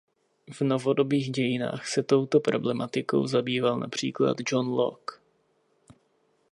V novodobých dějinách se touto problematikou zabýval například John Locke.